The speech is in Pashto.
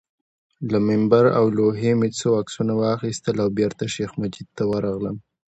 له منبر او لوحې مې څو عکسونه واخیستل او بېرته شیخ مجید ته ورغلم.